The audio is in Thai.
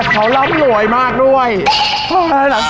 กลัวมึงเป็นหัวนะ